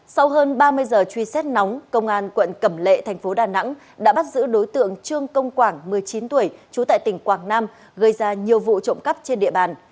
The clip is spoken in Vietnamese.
sau hơn ba mươi giờ truy xét nóng công an quận cẩm lệ thành phố đà nẵng đã bắt giữ đối tượng trương công quảng một mươi chín tuổi trú tại tỉnh quảng nam gây ra nhiều vụ trộm cắp trên địa bàn